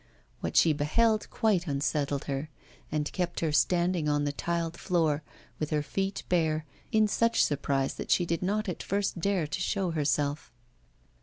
What she beheld quite unsettled her, and kept her standing on the tiled floor, with her feet bare, in such surprise that she did not at first dare to show herself.